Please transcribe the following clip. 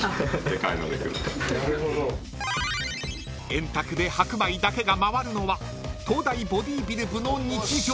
［円卓で白米だけが回るのは東大ボディビル部の日常］